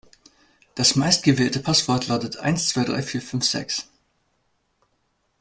Das meistgewählte Passwort lautet eins zwei drei vier fünf sechs.